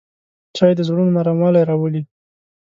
چای د زړونو نرموالی راولي